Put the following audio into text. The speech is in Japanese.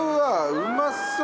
うまそう！